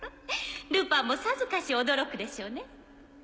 ルパンもさぞかし驚くでしょうね。